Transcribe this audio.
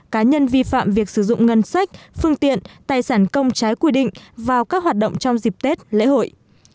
cá nhân vi phạm việc sử dụng ngân sách phương tiện tài sản công trái quy định vào các hoạt động trong dịp tết lễ hội